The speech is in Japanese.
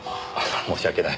申し訳ない。